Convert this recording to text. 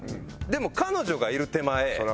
でも彼女がいる手前